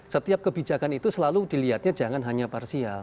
setiap kebijakan itu selalu dilihatnya jangan hanya parsial